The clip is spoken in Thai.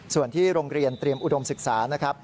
ส่วนที่โรงเรียนเตรียมอุดมศึกษานะครับ